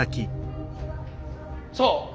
そう。